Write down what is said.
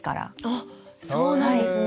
あっそうなんですね。